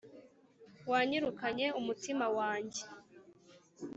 wanyirukanye umutima wanjye